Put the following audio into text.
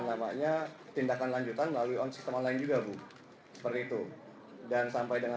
ya saya tambahkan untuk tadi ya pertanyaan untuk warga asing